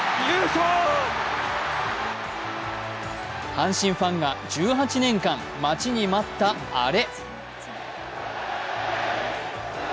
阪神ファンが１８年間待ちに待った、アレ。